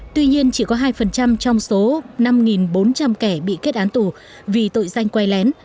tuy nhiên chỉ có hai trong số năm bốn trăm linh kẻ bị kết án tù vì tội danh quay lén